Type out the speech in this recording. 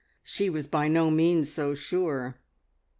She was by no means so sure.